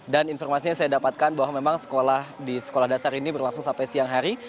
dan informasinya saya dapatkan bahwa memang sekolah di sekolah dasar ini berlangsung sampai siang hari